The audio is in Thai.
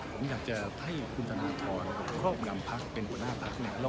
ผมอยากจะให้คุณธนทรครอบงำพักเป็นหัวหน้าพักเนี่ย